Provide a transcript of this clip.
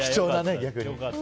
逆に。